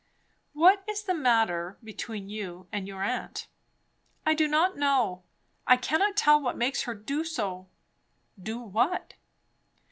"What is the matter between you and your aunt?" "I do not know. I cannot tell what makes her do so." "Do what?"